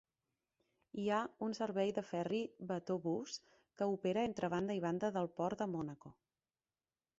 Hi ha un servei de ferri "Bateaubus" que opera entre banda i banda del port de Mònaco.